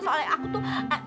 soalnya aku tuh